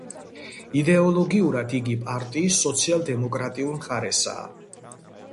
იდეოლოგიურად, იგი პარტიის სოციალ-დემოკრატიულ მხარესაა.